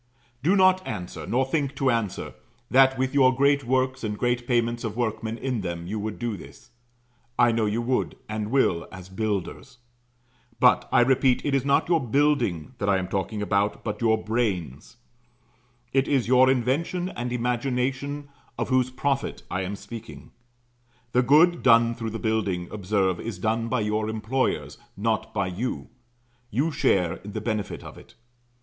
Do not answer, nor think to answer, that with your great works and great payments of workmen in them, you would do this; I know you would, and will, as Builders; but, I repeat, it is not your building that I am talking about, but your brains; it is your invention and imagination of whose profit I am speaking. The good done through the building, observe, is done by your employers, not by you you share in the benefit of it.